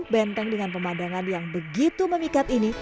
benteng dengan pemandangan yang begitu memikat ini